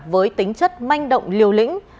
với tính chất manh động liều lực